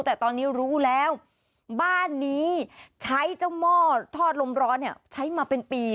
แต่ตอนนี้รู้แล้วบ้านนี้ใช้เจ้าหม้อทอดลมร้อนใช้มาเป็นปี